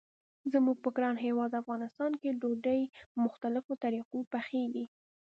زموږ په ګران هیواد افغانستان کې ډوډۍ په مختلفو طریقو پخیږي.